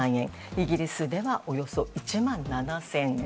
イギリスではおよそ１万７０００円。